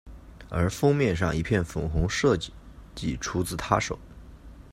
而封面上一片粉红设计即出自她手。